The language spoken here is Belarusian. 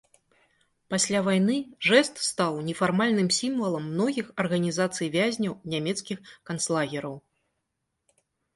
Пасля вайны жэст стаў нефармальным сімвалам многіх арганізацый вязняў нямецкіх канцлагераў.